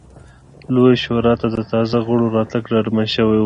لویې شورا ته د تازه غړو راتګ ډاډمن شوی و.